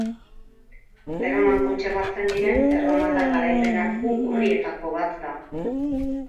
Erroman kontserbatzen diren erromatar garaipen arku urrietako bat da.